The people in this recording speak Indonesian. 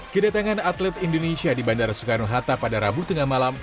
kedatangan atlet indonesia di bandara soekarno hatta pada rabu tengah malam